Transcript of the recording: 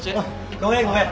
ごめんごめん。